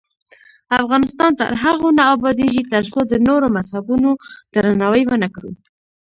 افغانستان تر هغو نه ابادیږي، ترڅو د نورو مذهبونو درناوی ونکړو.